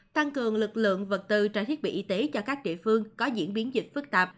tăng cường lực lượng vật tư trang thiết bị y tế cho các địa phương có diễn biến dịch phức tạp